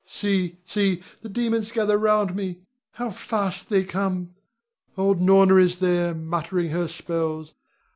See, see, the demons gather round me! How fast they come! Old Norna is there, muttering her spells.